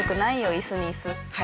椅子に椅子ね。